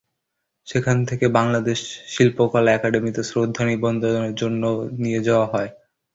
সেখান থেকে বাংলাদেশ শিল্পকলা একাডেমীতে শ্রদ্ধা নিবেদনের জন্য নিয়ে যাওয়া হয়।